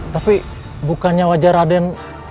tapi bukannya wajah raden